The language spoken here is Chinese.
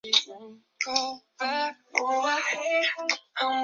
扎纳利尼是蒙泰菲奥里诺的领导人。